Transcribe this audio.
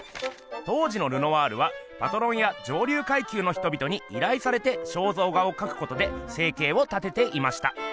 当時のルノワールはパトロンや上流階級のひとびとにいらいされて肖像画をかくことで生計を立てていました。